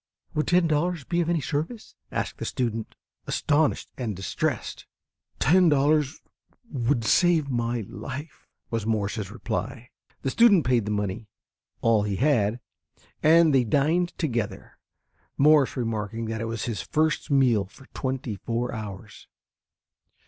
"Would ten dollars be of any service?" asked the student, astonished and distressed. "Ten dollars would save my life," was Morse's reply. The student paid the money all he had and they dined together, Morse remarking that it was his first meal for twenty four hours.